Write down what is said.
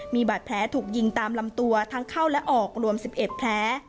มีบาดแผลถูกยิงตามลำตัวทั้งเข้าและออกรวม๑๑แผล